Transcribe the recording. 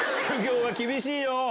修行は厳しいよ？